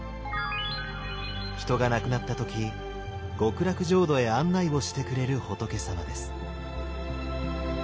人が亡くなった時極楽浄土へ案内をしてくれる仏様です。